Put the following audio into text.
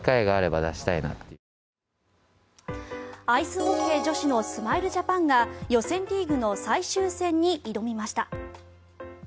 アイスホッケー女子のスマイルジャパンが予選リーグの最終戦に挑みました。